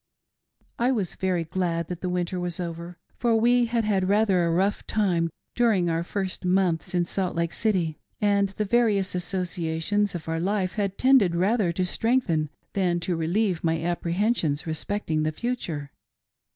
3 So THE BALL SEASON IN SALT LAKE CITY. I was very glad that the winter was over, for we had had rather a rough time during our first few months in Salt Lake City, and the various associations of our life had tended rather to strengthen than to relieve my apprehensions respecting the future.